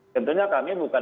tentunya kami bukan